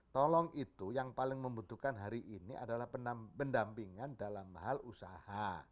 tolong itu yang paling membutuhkan hari ini adalah pendampingan dalam hal usaha